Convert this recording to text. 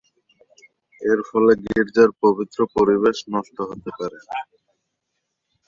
এরফলে গীর্জার পবিত্র পরিবেশ নষ্ট হতে পারে।